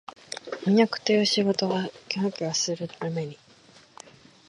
飜訳という仕事は畢竟するに、